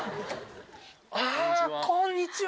こんにちは。